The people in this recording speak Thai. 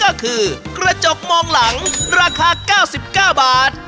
ก็คือกระจกมองหลังราคา๙๙บาท